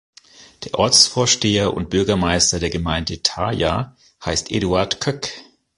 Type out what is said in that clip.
Der Ortsvorsteher und Bürgermeister der Gemeinde Thaya heißt Eduard Köck.